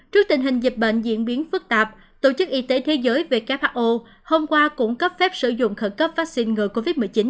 trước tình hình dịch bệnh diễn biến phức tạp tổ chức y tế thế giới who hôm qua cũng cấp phép sử dụng khẩn cấp vaccine ngừa covid một mươi chín